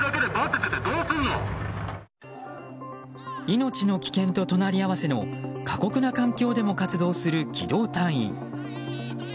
命の危険と隣り合わせの過酷な環境でも活動する機動隊員。